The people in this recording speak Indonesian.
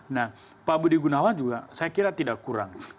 nah pak budi gunawan juga saya kira tidak kurang